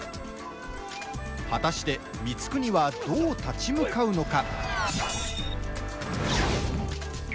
果たして光圀はどう立ち向かうのか。